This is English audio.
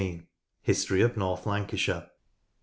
History of North Lancashire.